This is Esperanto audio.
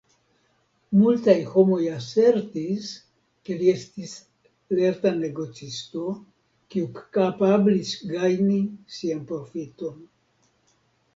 Multaj homoj asertis, ke li estis lerta negocisto, kiu kapablis gajni sian profiton.